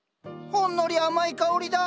ほんのり甘い香りだ。